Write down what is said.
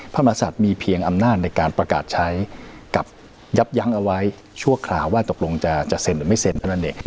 พระมศัตริย์มีเพียงอำนาจในการประกาศใช้กับยับยั้งเอาไว้ชั่วคราวว่าตกลงจะเซ็นหรือไม่เซ็นเท่านั้นเอง